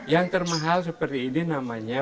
yang termahal seperti ini namanya